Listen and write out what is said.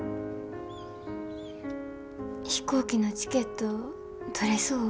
飛行機のチケット取れそう？